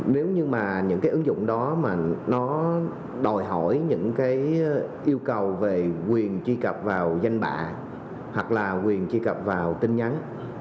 nếu như mà những cái ứng dụng đó mà nó đòi hỏi những cái yêu cầu về quyền truy cập vào danh bạ hoặc là quyền truy cập vào tin nhắn